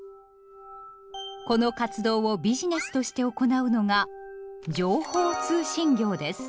この活動をビジネスとして行うのが「情報通信業」です。